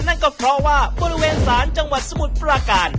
นั่นก็เพราะว่าบริเวณศาลจังหวัดสมุทรปราการ